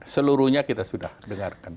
seluruhnya kita sudah dengarkan